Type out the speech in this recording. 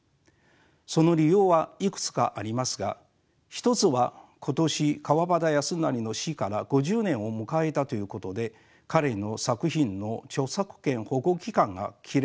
その理由はいくつかありますが一つは今年川端康成の死から５０年を迎えたということで彼の作品の著作権保護期間が切れたためでした。